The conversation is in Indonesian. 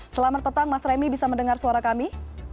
selamat petang mas remi bisa mendengar suara kami